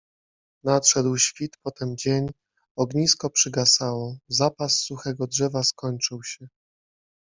Nadszedł świt, potem dzień. Ognisko przygasało. Zapas suchego drzewa skończył się